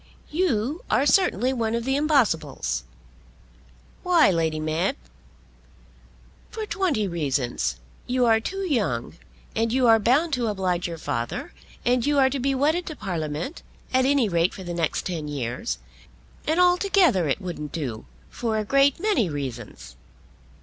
"You are certainly one of the impossibles." "Why, Lady Mab?" "For twenty reasons. You are too young, and you are bound to oblige your father, and you are to be wedded to Parliament, at any rate for the next ten years. And altogether it wouldn't do, for a great many reasons."